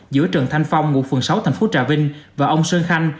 giữa trần thanh phong ngụ phường sáu thành phố trà vinh và ông sơn khanh